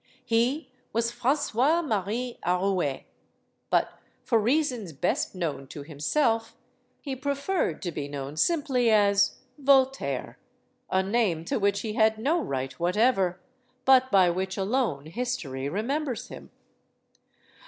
He was Francois Marie Arouet. But for reasons best known to himself, he preferred to be known sim ply as "Voltaire" a name to which he had no right 124 STORIES OF THE SUPER WOMEN whatever, but by which alone history remembers him.